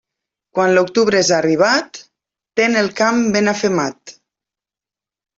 Quan l'octubre és arribat, ten el camp ben afemat.